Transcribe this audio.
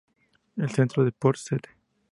El centro de Port St.